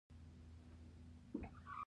سکاره د خښتو په بټیو کې کارول کیږي.